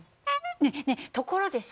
ねえねえところでさ